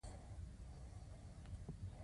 موټر ورو چلوئ